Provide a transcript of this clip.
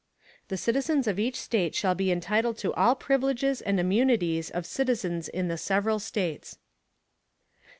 The Citizens of each State shall be entitled to all Privileges and Immunities of Citizens in the several States.